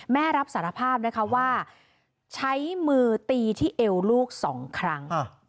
แม่รับสารภาพนะคะว่าใช้มือตีที่เอวลูก๒ครั้ง